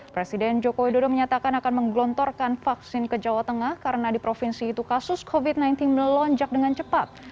presiden joko widodo menyatakan akan menggelontorkan vaksin ke jawa tengah karena di provinsi itu kasus covid sembilan belas melonjak dengan cepat